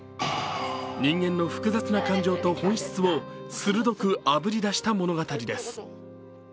人間の複雑な感情と本質を鋭くあぶり出した物語です。